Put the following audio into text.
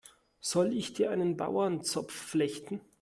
Soll ich dir einen Bauernzopf flechten?